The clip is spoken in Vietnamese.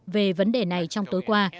về vấn đề này trong tối qua